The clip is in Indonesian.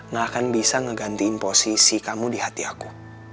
nah akan bisa ngegantiin posisi kamu di hati aku